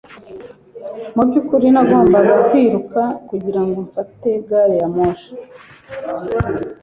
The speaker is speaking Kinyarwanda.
Mu byukuri nagombaga kwiruka kugirango mfate gari ya moshi.